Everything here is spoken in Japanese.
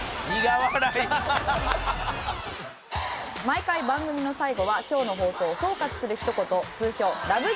毎回番組の最後は今日の放送を総括するひと言通称ラブ！！